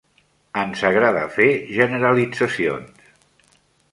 Ens agrada fer generalitzacions.